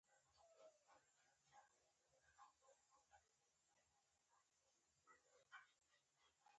رسۍ د خلکو ترمنځ همکاري ښيي.